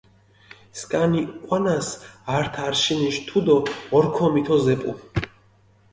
სქანი ჸვანას ართ არშინიში თუდო ორქო მითოზეპუ.